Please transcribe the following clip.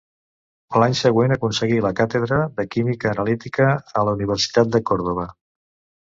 L'any següent aconseguí la càtedra de química analítica a la Universitat de Còrdova.